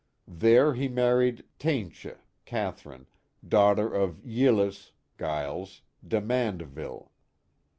There he married Teyntje (Catherine), daughter of Yilles (Giles) de Mandeville.